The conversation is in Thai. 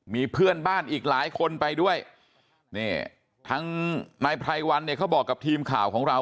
มีเพื่อนบ้านอีกหลายคนไปด้วยนี่ทางนายไพรวันเนี่ยเขาบอกกับทีมข่าวของเรา